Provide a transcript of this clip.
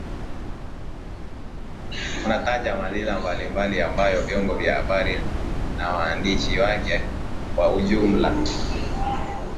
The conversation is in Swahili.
unataja madhila mbalimbali ambayo vyombo vya habari na waandishi wake kwa ujumla